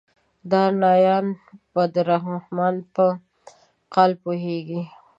دانایان به د رحمان په قال پوهیږي.